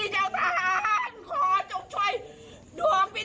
แล้วทำไมต้องเป็นแบบนี้